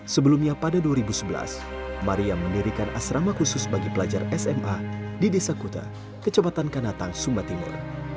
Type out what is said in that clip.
sebelumnya pada dua ribu sebelas maria mendirikan asrama khusus bagi pelajar sma di desa kuta kecamatan kanatang sumba timur